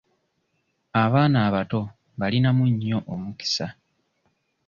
Abaana abato mbalinamu nnyo omukisa.